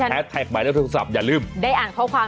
แพรคแพรคไหมเลขโทรศัพท์อย่าลืม